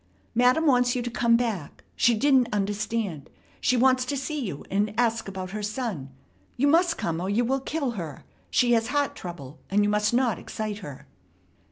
"Madam wants you to come back. She didn't understand. She wants to see you and ask about her son. You must come, or you will kill her. She has heart trouble, and you must not excite her."